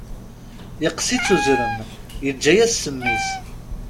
Yeqqes-itt uzrem, yeǧǧa-yas ssem-is.